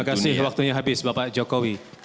terima kasih waktunya habis bapak jokowi